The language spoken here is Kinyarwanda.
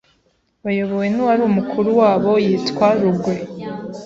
bayobowe n’uwari umukuru wabo yitwa RUGWE